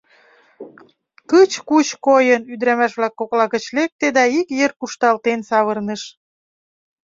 Кыч-куч койын, ӱдырамаш-влак кокла гыч лекте да ик йыр кушталтен савырныш.